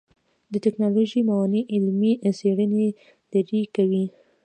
د ټکنالوژۍ موانع علمي څېړنې لرې کوي.